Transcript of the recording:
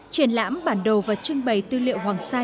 triển lãm bản đồ và trưng bày tư liệu hoàng sa